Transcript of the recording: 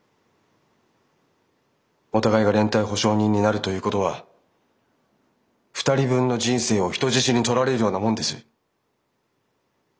お互いが連帯保証人になるということは二人分の人生を人質に取られるようなもんです。